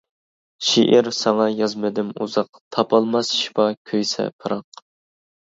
شېئىر ساڭا يازمىدىم ئۇزاق، تاپالماس شىپا كۆيسە پىراق.